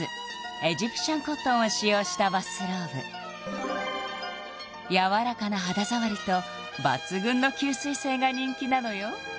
エジプシャンコットンを使用したバスローブやわらかな肌触りと抜群の吸水性が人気なのよ